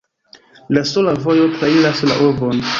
La sola vojo trairas la urbon.